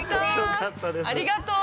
ありがとう。